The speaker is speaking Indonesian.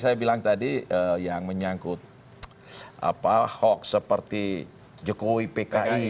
saya bilang tadi yang menyangkut hoax seperti jokowi pki